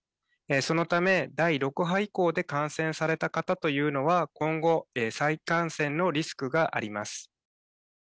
そのため第６波以降で感染された方というのは今後再感染のリスクがあります。